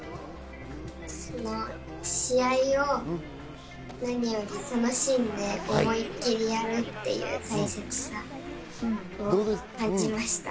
試合を何より楽しんで、思いきりやるという大切さを感じました。